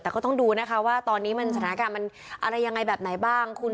แต่ก็ต้องดูนะคะว่าตอนนี้สถานการณ์มันอะไรยังไงแบบไหนบ้าง